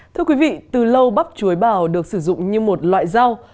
thưa quý vị từ lâu bắp chuối bảo được sử dụng như một loại rau